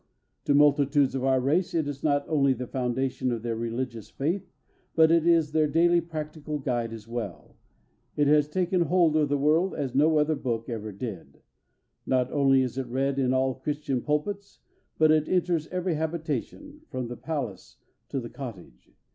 To multitudes of our race it is not only the foundation of their religious faith, but it is their daily practical guide as well. It has taken hold of the world as no other book ever did. Not only is it read in all Christian pulpits, but it enters every habitation, from the palace to the cottage.